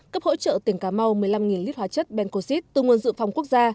cấp hỗ trợ tỉnh cà mau một mươi năm lít hóa chất bencoxit từ nguồn dự phòng quốc gia